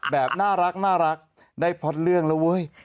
แบบน่ารักได้พล็อตเรื่องแล้วเว้ย